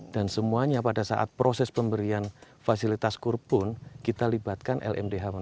dan semuanya pada saat proses pemberian fasilitas kur pun kita libatkan lmdh